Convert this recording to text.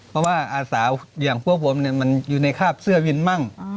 เพราะว่าอาสาวอย่างพวกผมมันอยู่ในคาบเสื้อวินมั่ง